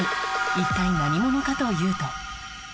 一体何者かというと